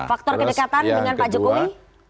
faktor kedekatan dengan pak jokowi